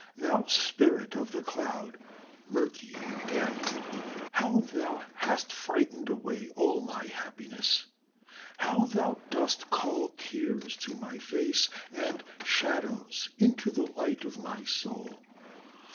Thou Spirit of the Cloud, murky and damp, how thou hast frightened away all my happiness, how thou dost call tears to my face and shadows into the light of my soul!